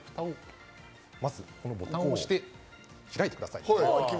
まずボタンを押して開いてください。